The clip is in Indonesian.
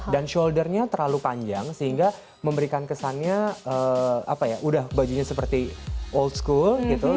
dan shouldernya terlalu panjang sehingga memberikan kesannya apa ya udah bajunya seperti old school gitu